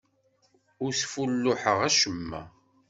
Ur sfulluḥeɣ acemma.